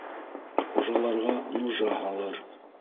Хужаларға нужа һалыр.